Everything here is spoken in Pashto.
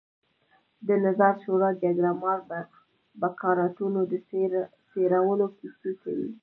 د نظار شورا جګړهمار بکارتونو د څېرلو کیسې کوي.